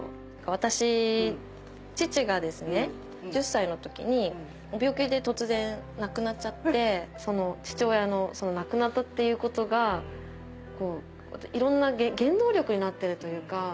私父が１０歳の時に病気で突然亡くなっちゃって父親の亡くなったっていうことがいろんな原動力になってるというか。